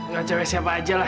ga cowek siapa aja lah